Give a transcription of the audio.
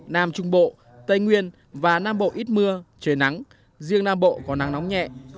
nam trung bộ tây nguyên và nam bộ ít mưa trời nắng riêng nam bộ có nắng nóng nhẹ